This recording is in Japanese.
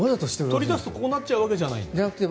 取り出すとこうなっちゃうんじゃなくて？